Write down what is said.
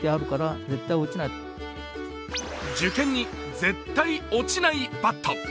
受験に絶対落ちないバット。